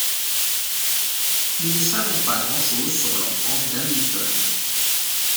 Nous ne savons pas grand-chose sur l'enfance d'Hamilton.